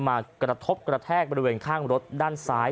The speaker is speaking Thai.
มากระทบกระแทกบริเวณข้างรถด้านซ้าย